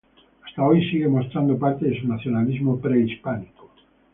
Hasta hoy sigue mostrando parte de su nacionalismo prehispánico.